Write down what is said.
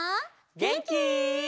げんき？